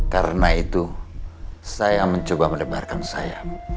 karena itu saya mencoba mendebarkan saya